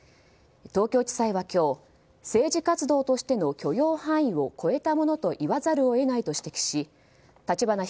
東京地裁は今日政治活動としての許容範囲を超えたものと言わざるを得ないと指摘し立花